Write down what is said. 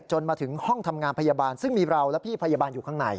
จนมาถึงห้องทำงานพยาบาลซึ่งมีเราและพี่พยาบาลอยู่ข้างใน